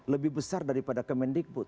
lebih besar daripada kementikbud